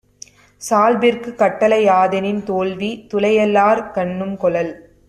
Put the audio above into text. சால்பிற்குக் கட்டளை யாதெனின், தோல்வி துலையல்லார்கண்ணும் கொளல்.